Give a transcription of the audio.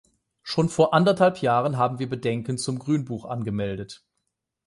Schon vor anderthalb Jahren haben wir Bedenken zum Grünbuch angemeldet.